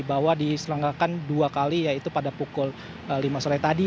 bahwa diselenggakan dua kali yaitu pada pukul lima sore tadi